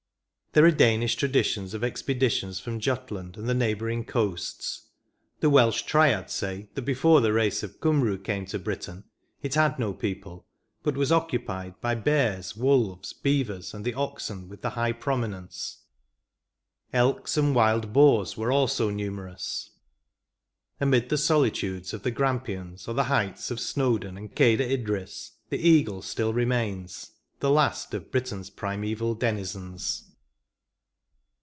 There are Danish traditions of expeditions from Jutland and the neighbouring coasts. The Welsh Triads say that before the race of Cymry came to Britain it had no people, but was occupied by " bears, wolves, beavers, and the oxen with the high prominence;" elks and wild boars were also numerous. Amid the solitudes of the Grampians, or the heights of Snowden and Cadir Idris, the eagle still remains, the last of Britain s primeval denizens.